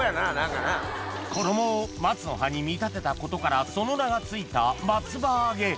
衣を松の葉に見立てたことからその名が付いた松葉揚げ